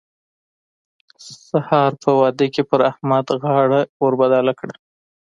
سار په واده کې پر احمد غاړه ور بدله کړه.